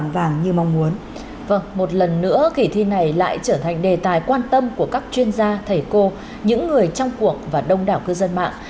vâng một lần nữa kỳ thi này lại trở thành đề tài quan tâm của các chuyên gia thầy cô những người trong cuộc và đông đảo cư dân mạng